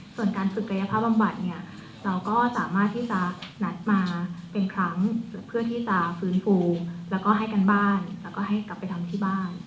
ส่วนการฝึกกายภาพบำบัดเนี่ยเราก็สามารถที่จะนัดมาเป็นครั้งเพื่อที่จะฟื้นฟูแล้วก็ให้กันบ้านแล้วก็ให้กลับไปทำที่บ้าน